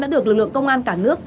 đã được lực lượng công an cả nước